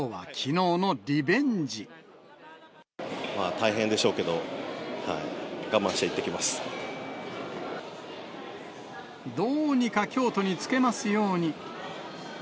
大変でしょうけど、どうにか京都に着けますように。